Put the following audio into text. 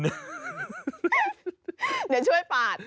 เดี๋ยวช่วยปาด